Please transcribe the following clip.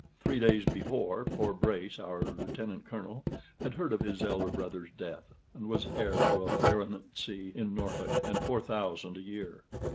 Three days before, poor Brace, our Lieutenant Colonel, had heard of his elder brother's death, and was heir to a baronetcy in Norfolk, and four thousand a year.